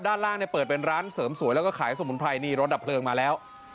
ด้านล่างเนี่ยเปิดเป็นร้านเสริมสวยแล้วก็ขายสมุนไพรนี่รถดับเพลิงมาแล้ว